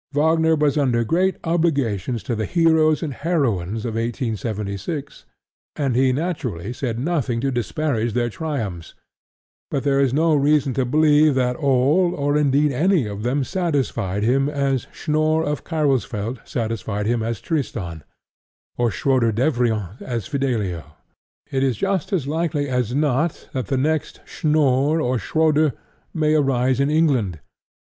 Wagner was under great obligations to the heroes and heroines of 1876; and he naturally said nothing to disparage their triumphs; but there is no reason to believe that all or indeed any of them satisfied him as Schnorr of Carolsfeld satisfied him as Tristan, or Schroder Devrient as Fidelio. It is just as likely as not that the next Schnorr or Schroder may arise in England.